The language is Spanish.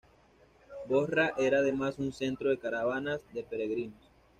Bosra era además un centro de caravanas de peregrinos.